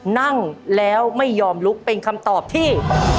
นั่งแล้วไม่ยอมลุกเป็นคำตอบที่